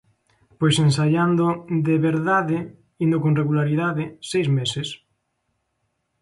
Pois ensaiando "de verdade", indo con regularidade, seis meses.